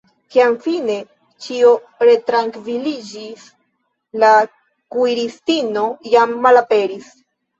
Kiam fine ĉio retrankviliĝis, la kuiristino jam malaperis.